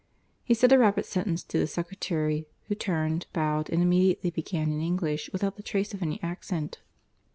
He said a rapid sentence to the secretary, who turned, bowing, and immediately began in English without the trace of any accent.